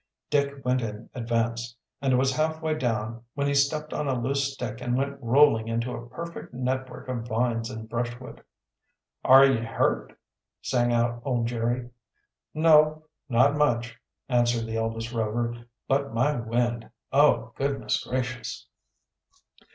Dick went in advance, and was half way down when he stepped on a loose stick and went rolling into a perfect network of vines and brushwood. "Are ye hurt?" sang out old Jerry. "No not much!" answered the eldest Rover. "But my wind Oh, goodness gracious!"